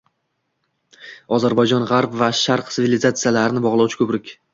Ozarbayjon G‘arb va Sharq sivilizatsiyalarini bog‘lovchi ko‘priq